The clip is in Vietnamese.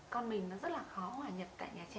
con mình nó rất là khó hòa nhập tại nhà trẻ